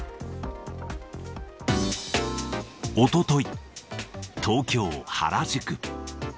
おととい、東京・原宿。